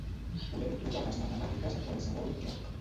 Podem trobar les matemàtiques a qualsevol lloc.